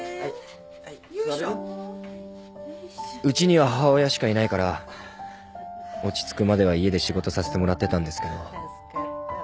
うちには母親しかいないから落ち着くまでは家で仕事させてもらってたんですけど。